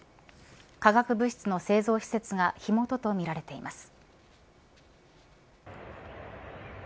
化学物質の製造施設が火元とみられています。